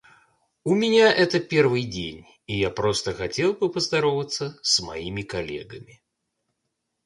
У меня это первый день, и я просто хотел бы поздороваться с моими коллегами.